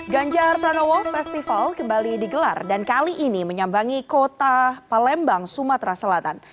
ganjar pranowo festival kembali digelar dan kali ini menyambangi kota palembang sumatera selatan